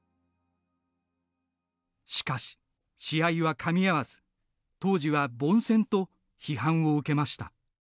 しかし、試合はかみ合わず当時は凡戦と批判を受けました。